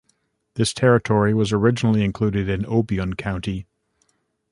This territory was originally included in Obion County.